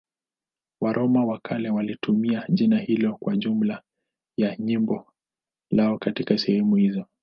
Waroma wa kale walitumia jina hilo kwa jumla ya jimbo lao katika sehemu hizi.